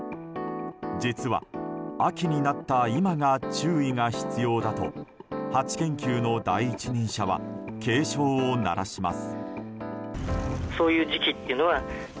実は秋になった今が注意が必要だとハチ研究の第一人者は警鐘を鳴らします。